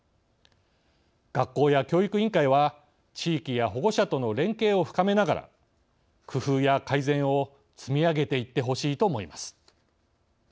学校や教育委員会は地域や保護者との連携を深めながら工夫や改善を積み上げていってほしいと思います。